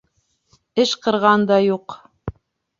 Эш ҡырған да юҡ.